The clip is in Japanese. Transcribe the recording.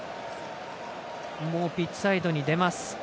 ピッチサイドに出ます。